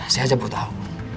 saya aja butuh tahu